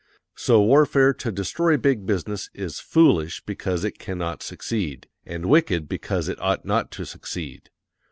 So warfare to destroy big business is FOOLISH BECAUSE IT CAN NOT SUCCEED and wicked BECAUSE IT OUGHT NOT TO SUCCEED.